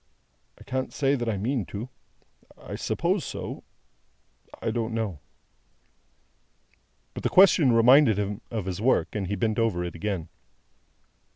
"I can't say that I mean to. I suppose so. I don't know." But, the question reminded him of his work, and he bent over it again.